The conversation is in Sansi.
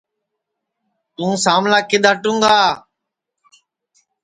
توں ساملا کِدؔ ہٹوں گا